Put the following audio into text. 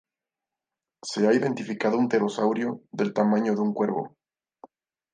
Se ha identificado un pterosaurio del tamaño de un cuervo.